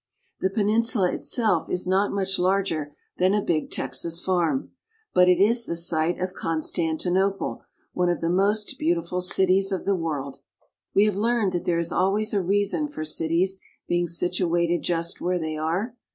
The peninsula itself is not much larger than a big Texas farm, but it is the site of Constantinople, one of the most beautiful cities of the world (see map, p. 382). We have learned that there is always a reason for cities being situated just where they are.